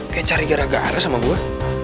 kayak cari gara gara sama gue